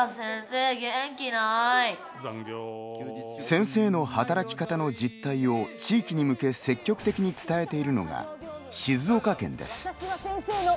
先生の働き方の実態を地域に向け積極的に伝えているのが静岡県です。